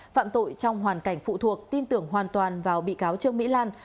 phạm tội trong hoàn cảnh phụ thuộc tin tưởng hoàn toàn vào bị cáo trương mỹ lan